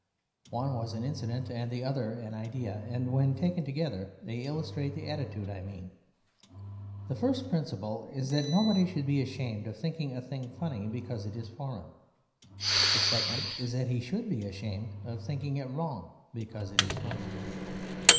One was an incident and the other an idea; and when taken together they illustrate the attitude I mean. The first principle is that nobody should be ashamed of thinking a thing funny because it is foreign; the second is that he should be ashamed of thinking it wrong because it is funny.